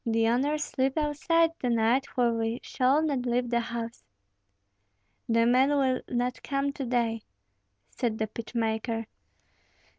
The owners sleep outside to night, for we shall not leave the house." "The men will not come to day," said the pitch maker.